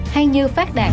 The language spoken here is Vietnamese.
hay như phát đảm